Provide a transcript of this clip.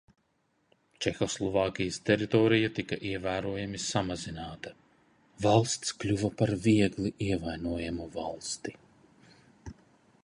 Čehoslovākijas teritorija tika ievērojami samazināta: valsts kļuva par viegli ievainojamu valsti.